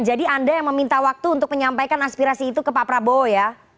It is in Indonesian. jadi anda yang meminta waktu untuk menyampaikan aspirasi itu ke pak prabowo ya